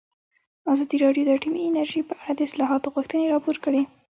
ازادي راډیو د اټومي انرژي په اړه د اصلاحاتو غوښتنې راپور کړې.